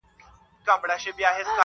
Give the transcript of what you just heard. دا واورین انـــــنګي ژر زبېښه ویلـیږي